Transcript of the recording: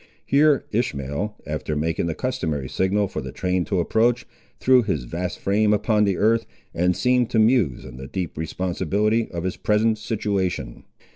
Here Ishmael, after making the customary signal for the train to approach, threw his vast frame upon the earth, and seemed to muse on the deep responsibility of his present situation.